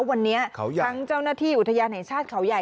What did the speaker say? วันนี้ทั้งเจ้าหน้าที่อุทยานแห่งชาติเขาใหญ่